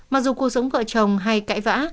mặc dù cuộc sống vợ chồng hay cãi vã